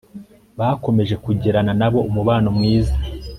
bakomeje kugirana na bo umubano mwiza